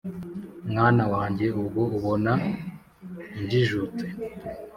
Mwana wange ubwo ubona njijutse